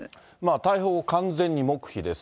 逮捕後、完全に黙秘です。